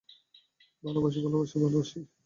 ভালবাসি, ভালবাসি, ভালবাসি।